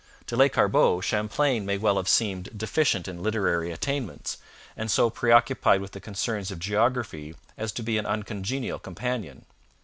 To Lescarbot, Champlain may well have seemed deficient in literary attainments, and so preoccupied with the concerns of geography as to be an uncongenial companion.